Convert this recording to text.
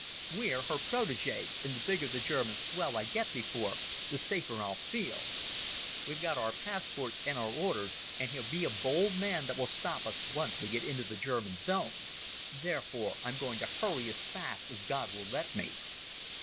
We're her proteges, and the bigger the German swell I get before the safer I'll feel. We've got our passports and our orders, and he'll be a bold man that will stop us once we get into the German zone. Therefore I'm going to hurry as fast as God will let me."